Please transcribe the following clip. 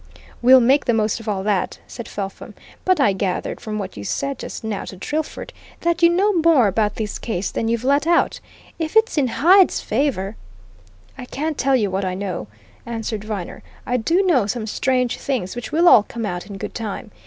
"We'll make the most of all that," said Felpham. "But I gathered, from what you said just now to Drillford, that you know more about this case than you've let out. If it's in Hyde's favour " "I can't tell you what I know," answered Viner. "I do know some strange things, which will all come out in good time.